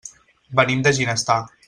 Venim de Ginestar.